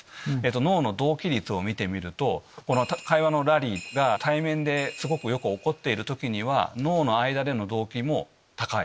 脳の同期率を見てみると会話のラリーが対面でよく起こっている時には脳の間での同期も高い。